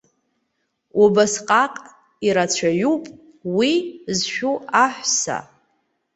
Убасҟак ирацәаҩуп уи зшәу аҳәса.